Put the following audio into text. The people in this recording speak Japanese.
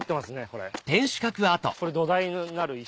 これ土台になる石ですね。